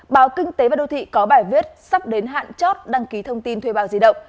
báo kinh tế và đô thị có bài viết sắp đến hạn chót đăng ký thông tin thuê bao di động